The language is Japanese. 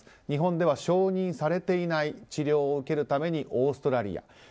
日本では承認されていない治療を受けるためにオーストラリアに。